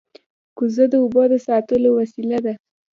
کوزه د اوبو د ساتلو وسیله ده